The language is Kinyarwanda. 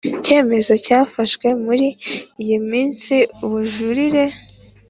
cyemezo cyafashwe muri iyo minsi ubujurire